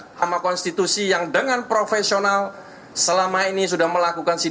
mahkamah konstitusi yang dengan profesional selama ini sudah melakukan